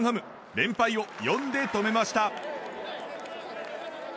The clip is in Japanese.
連敗を４で止めました。